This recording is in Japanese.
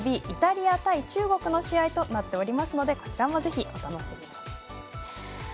イタリア対中国の試合となっておりますのでこちらもぜひ、お楽しみに。